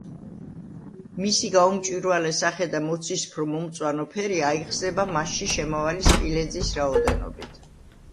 მისი გაუმჭვირვალე სახე და მოცისფრო-მომწვანო ფერი აიხსნება მასში შემავალი სპილენძის რაოდენობით.